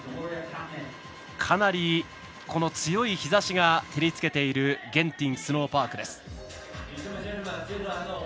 かなり、この強い日ざしが照り付けているゲンティンスノーパークです。